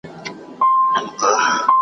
تاریخ د ملتونو کیسې بیانوي.